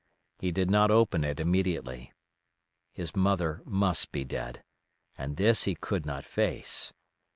He did not open it immediately. His mother must be dead, and this he could not face.